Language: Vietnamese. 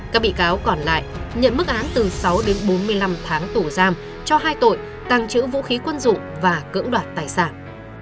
các bị cáo còn lại nhận mức án từ sáu đến bốn mươi năm tháng tù giam cho hai tội tăng trữ vũ khí quân dụng và cưỡng đoạt tài sản